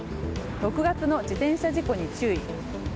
６月の自転車事故に注意。